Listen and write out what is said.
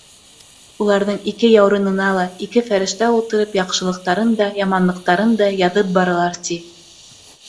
Уларҙың ике яурынына ла ике фәрештә ултырып, яҡшылыҡтарын да, яманлыҡтарын да яҙып баралар, ти.